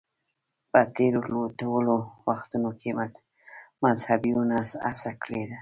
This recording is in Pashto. په تېرو ټولو وختونو کې مذهبيونو هڅه کړې ده.